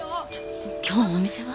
今日お店は？